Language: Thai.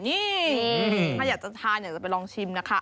นี่ถ้าอยากจะทานอยากจะไปลองชิมนะคะ